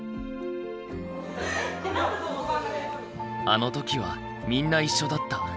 あの時はみんな一緒だった。